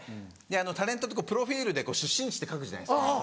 タレントってプロフィルで出身地って書くじゃないですか。